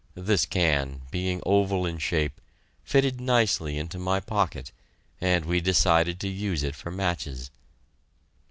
This can, being oval in shape, fitted nicely into my pocket, and we decided to use it for matches.